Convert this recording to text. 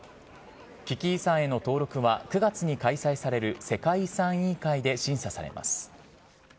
危機遺産への登録は９月に開催される世界遺産委員会で審査されます。